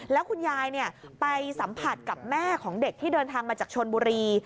แล้วคุณยายไปสัมผัสกับแม่ของเด็กที่เดินทางมาจากชนบุรี